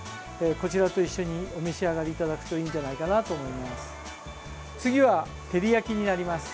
こちらと一緒にお召し上がりいただくといいんじゃないかなと思います。